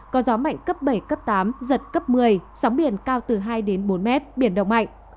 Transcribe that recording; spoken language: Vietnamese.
có gió mạnh cấp bảy cấp tám giật cấp một mươi sóng biển cao từ hai đến bốn mét biển động mạnh